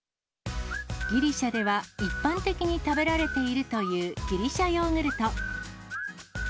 ギリシャでは一般的に食べられているというギリシャヨーグルト。